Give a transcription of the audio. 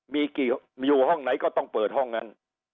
มีกี่อยู่ห้องไหนก็ต้องเปิดห้องนั้น